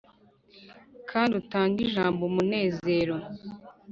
kandi utange ijambo umunezero.